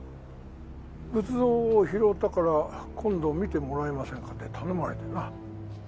仏像を拾ったから今度見てもらえませんかって頼まれてな。